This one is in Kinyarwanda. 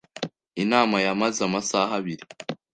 Inama yamaze amasaha abiri.